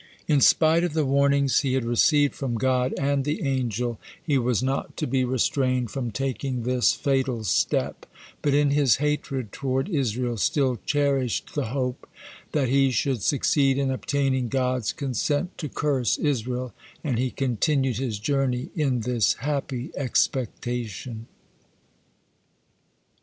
In spite of the warnings he had received from God and the angel, he was not to be restrained from taking this fatal step, but in his hatred toward Israel still cherished the hope that he should succeed in obtaining God's consent to curse Israel, and he continued his journey in this happy expectation.